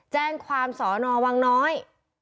แจ้งความสอนอวังน้อย